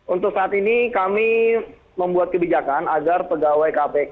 untuk saat ini kami membuat kebijakan agar pegawai kpk